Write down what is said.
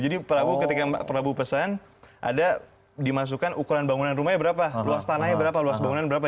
jadi ketika prabu pesan ada dimasukkan ukuran bangunan rumahnya berapa luas tanahnya berapa luas bangunan berapa